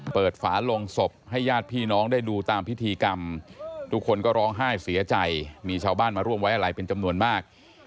ฝาลงศพให้ญาติพี่น้องได้ดูตามพิธีกรรมทุกคนก็ร้องไห้เสียใจมีชาวบ้านมาร่วมไว้อะไรเป็นจำนวนมาก